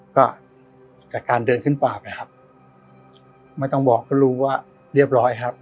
ค่ะกับการเดินขึ้นปากเหรอครับไม่ต้องบอกก็รู้ว่าเรียบร้อยครับ